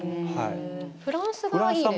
フランスが、いいですよね。